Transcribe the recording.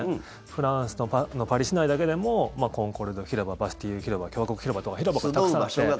フランスのパリ市内だけでもコンコルド広場バスティーユ広場共和国広場とか広場がたくさんあって。